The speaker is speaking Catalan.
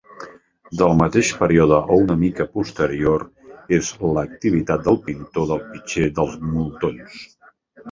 Del mateix període o una mica posterior és l'activitat del pintor del pitxer dels Moltons.